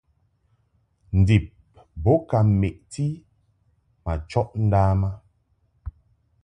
Ndib bo ka meʼti ma chɔʼ ndam a.